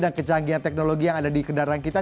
dan kecanggihan teknologi yang ada di kendaraan kita